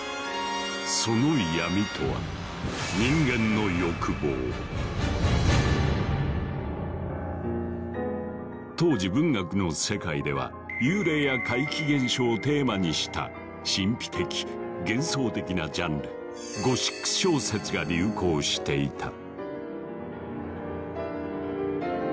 その闇とは当時文学の世界では幽霊や怪奇現象をテーマにした神秘的幻想的なジャンル「ゴシック小説」が流行していた。